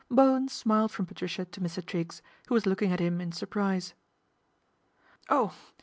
Bowen smiled from Patricia to Mr. Triggs, who was looking at him in surprise. " Oh